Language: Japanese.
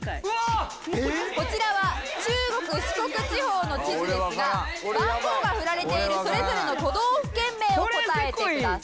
こちらは中国・四国地方の地図ですが番号が振られているそれぞれの都道府県名を答えてください。